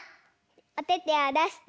おててをだして。